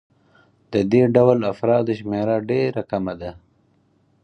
د دې ډول افرادو شمېره ډېره کمه ده